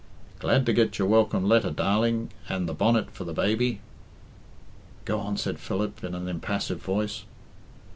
"'Glad to get your welcome letter, darling, and the bonnet for the baby' " "'Go on," said Philip, in an impassive voice.